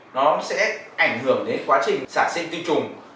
nó sẽ ảnh hưởng đến quá trình sản sinh quy trùng